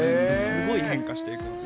すごい変化していくんですよ。